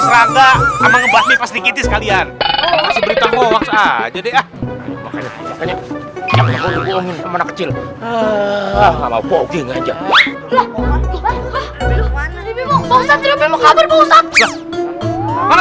kita nggak mau ngebahas pasri kitik sekalian beritahu aja deh ah makanya kecil ah oke nggak